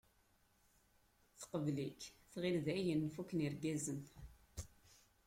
Teqbel-ik, tɣill dayen fukken irgazen.